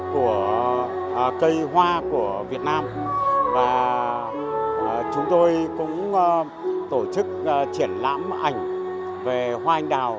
của cây hoa của việt nam và chúng tôi cũng tổ chức triển lãm ảnh về hoa anh đào